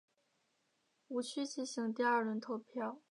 无须进行第二轮投票。